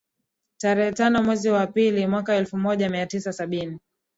tarehe tano mwezi wa pili mwaka elfu moja mia tisa sabini